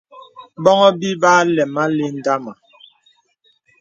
Bòŋhô bī ba àləm ndama.